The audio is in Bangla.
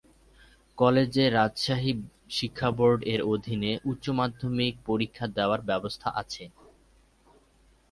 কলেজে রাজশাহী শিক্ষাবোর্ড এর অধীনে উচ্চ মাধ্যমিক পরীক্ষা দেওয়ার ব্যবস্থা আছে।